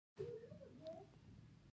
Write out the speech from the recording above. د کچالو پوستکی د سپینیدو لپاره وکاروئ